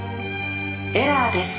「エラーです」